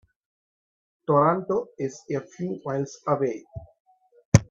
Toronto is a few miles away.